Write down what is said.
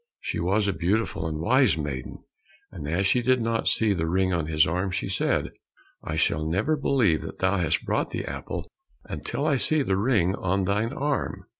She was a beautiful and wise maiden, and as she did not see the ring on his arm, she said, "I shall never believe that thou hast brought the apple, until I see the ring on thine arm."